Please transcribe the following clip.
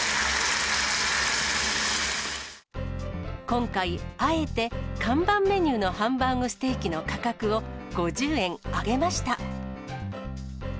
今回、あえて看板メニューのハンバーグステーキの価格を５０円上げました。